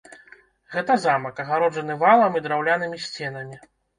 Гэта замак, агароджаны валам і драўлянымі сценамі.